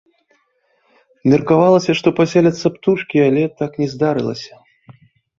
Меркавалася, што там паселяцца птушкі, але так не здарылася.